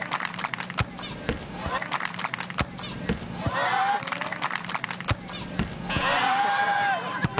ああ。